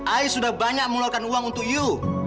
aku sudah banyak mengeluarkan uang untuk ibu